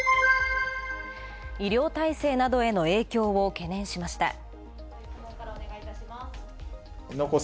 医療体制などへの影響を懸念しました。